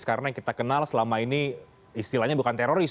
karena yang kita kenal selama ini istilahnya bukan teroris